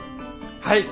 はい。